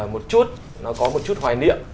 một chút nó có một chút hoài niệm